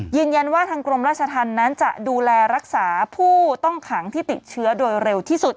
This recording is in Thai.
ยืนยันว่าทางกรมราชธรรมนั้นจะดูแลรักษาผู้ต้องขังที่ติดเชื้อโดยเร็วที่สุด